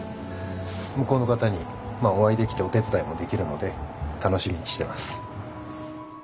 向こうの方にまあお会いできてお手伝いもできるので楽しみにしてます。